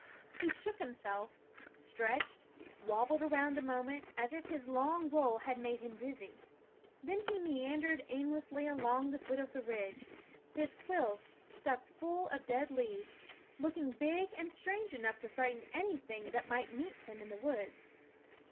He shook himself, stretched, wobbled around a moment, as if his long roll had made him dizzy; then he meandered aimlessly along the foot of the ridge, his quills stuck full of dead leaves, looking big and strange enough to frighten anything that might meet him in the woods.